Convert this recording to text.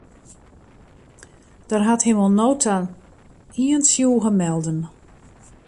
Der hat him oant no ta ien tsjûge melden.